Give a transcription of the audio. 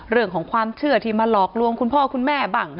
เรื่องของความเชื่อที่มาหลอกลวงคุณพ่อคุณแม่บ้าง